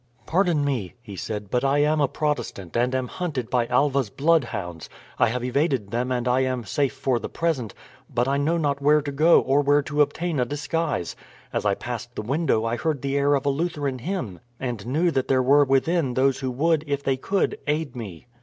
"Pardon me," he said, "but I am a Protestant, and am hunted by Alva's bloodhounds. I have evaded them and I am safe for the present; but I know not where to go, or where to obtain a disguise. As I passed the window I heard the air of a Lutheran hymn, and knew that there were within those who would, if they could, aid me."